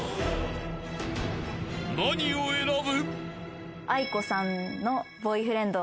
［何を選ぶ？］